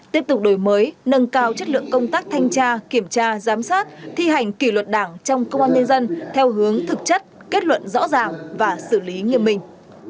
tiếp tục đổi mới nâng cao chất lượng công tác thanh tra kiểm tra giám sát thi hành kỷ luật đảng trong công an nhân dân theo hướng thực chất kết luận rõ ràng và xử lý nghiêm minh